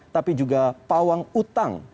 tapi juga pawang utang